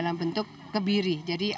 atau memberikan tambahan hukuman di kantor